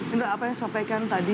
indra apa yang disampaikan tadi